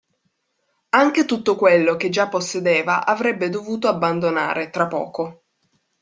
Anche tutto quello che già possedeva avrebbe dovuto abbandonare, tra poco.